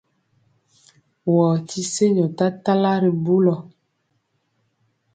Wɔɔ ti senjɔ tatala ri bulɔ.